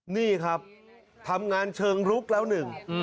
นี่ครับทำงานเชิงลุกแล้วหนึ่ง